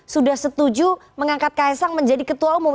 sudah setuju mengangkat kaesang menjadi ketua umum